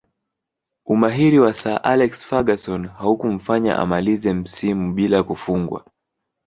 Umahiri wa Sir Alex Ferguson haukumfanya amalize msimu bila kufungwa